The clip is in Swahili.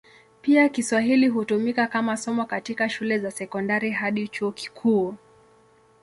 Pia Kiswahili hutumika kama somo katika shule za sekondari hadi chuo kikuu.